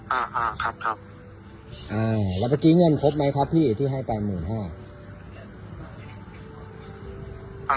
อ่าอ่าครับครับอ่าแล้วเมื่อกี้เงินครบไหมครับพี่ที่ให้ไปหมื่นห้า